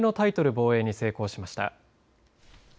防衛に成功しました。